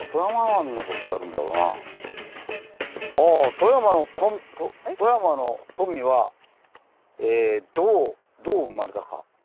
「富山の“富”はどう生まれたか」。